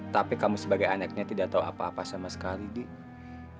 tapi kamu sebagai anaknya tidak tahu apa apa sama sekali die